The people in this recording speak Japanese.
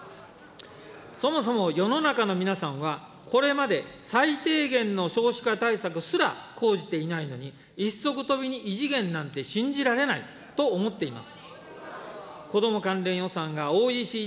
そもそも世の中の皆さんは、これまで最低限の少子化対策すら講じていないのに、一足飛びに異次元なんて信じられないと思っています。